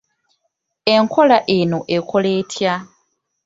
Enkola eno ekola etya?